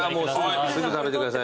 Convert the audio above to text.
すぐ食べてください。